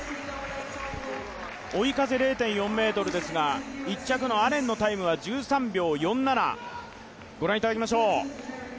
追い風０．４ｍですが、１着のアレンのタイムは１３秒４７、御覧いただきましょう。